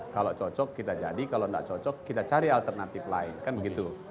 kalau cocok kita jadi kalau tidak cocok kita cari alternatif lain kan begitu